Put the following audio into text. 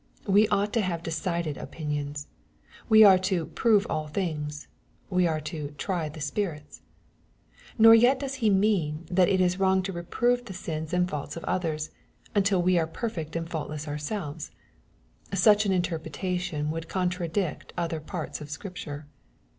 We ought to have decided opinions. We are to " prove all things." We are to " try the spirits." — ^Nor yet does He mean that it is wrong to reprove the sins and faults of others, until we are perfect and faultless ourselves. Such an interpreta tion would contradict other parts of Scripture.